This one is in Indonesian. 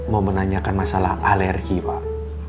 mau menanyakan masalah alergi pak